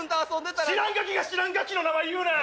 知らんがきが知らんがきの名前言うな！